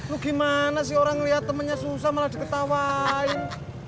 lo gimana sih orang ngeliat temennya susah malah diketawain